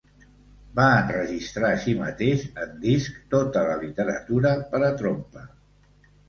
Va enregistrar així mateix en disc tota la literatura per a trompa.